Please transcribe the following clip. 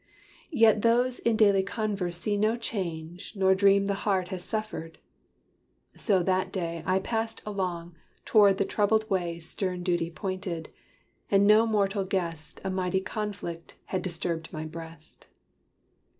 Yet those in daily converse see no change Nor dream the heart has suffered. So that day I passed along toward the troubled way Stern duty pointed, and no mortal guessed A mighty conflict had disturbed my breast.